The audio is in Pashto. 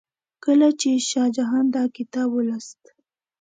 کله چې شاه جهان دا کتاب ولوست.